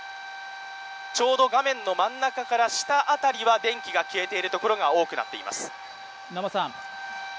ちょうど画面の真ん中から下辺りは電気が消えているところが多くなっています。